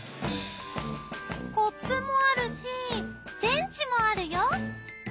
コップもあるし電池もあるよ！